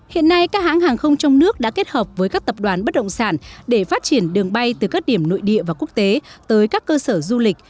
hiện nay các hãng hàng không trong nước đã kết hợp với các tập đoàn bất động sản để phát triển đường bay từ các điểm nội địa và quốc tế tới các cơ sở du lịch